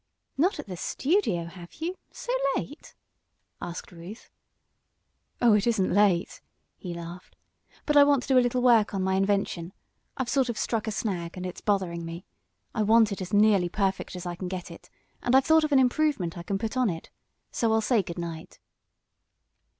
"Not at the studio; have you so late?" asked Ruth. "Oh, it isn't late," he laughed. "But I want to do a little work on my invention. I've sort of struck a snag, and it's bothering me. I want it as nearly perfect as I can get it, and I've thought of an improvement I can put on it. So I'll say good night."